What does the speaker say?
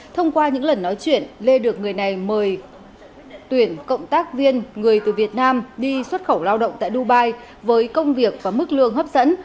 thông qua những lần nói chuyện lê được người này mời tuyển cộng tác viên người từ việt nam đi xuất khẩu lao động tại dubai với công việc và mức lương hấp dẫn